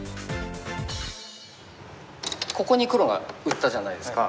ここに黒が打ったじゃないですか。